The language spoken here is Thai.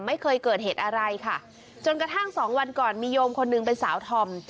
ไม่เคยเกิดเหตุอะไรค่ะจนกระทั่งสองวันก่อนมีโยมคนหนึ่งเป็นสาวธอม